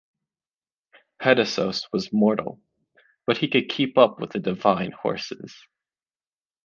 Pedasos was mortal, but he could keep up with the divine horses.